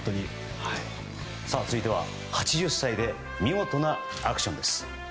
続いては８０歳で見事なアクションです。